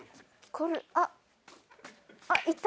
あっ。